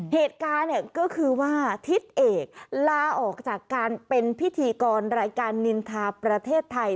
เหตุการณ์เนี่ยก็คือว่าทิศเอกลาออกจากการเป็นพิธีกรรายการนินทาประเทศไทย